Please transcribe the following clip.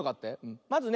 まずね。